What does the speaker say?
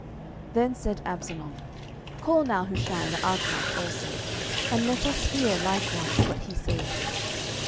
10:017:005 Then said Absalom, Call now Hushai the Archite also, and let us hear likewise what he saith.